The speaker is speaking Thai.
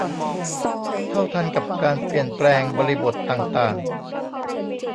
เท่าทันกับการเปลี่ยนแปลงบริบทต่างต่าง